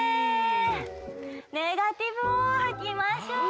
ネガティブをはきましょう。